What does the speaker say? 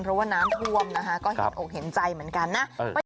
เพราะว่าน้ำท่วมนะคะก็เห็นอกเห็นใจเหมือนกันนะ